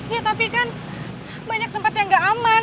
ya tapi kan banyak tempat yang gak aman